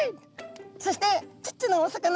そしてちっちゃなお魚のち